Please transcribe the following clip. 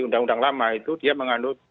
undang undang lama itu dia menganut